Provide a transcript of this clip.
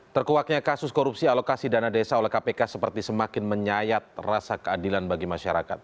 terkuaknya kasus korupsi alokasi dana desa oleh kpk seperti semakin menyayat rasa keadilan bagi masyarakat